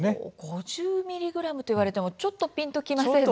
５０ｍｇと言われてもちょっとピンときませんね。